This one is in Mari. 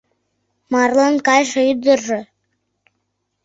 Марлан кайыше ӱдыржӧ